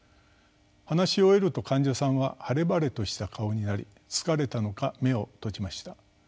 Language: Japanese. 話し終えると患者さんは晴れ晴れとした顔になり疲れたのか目を閉じました。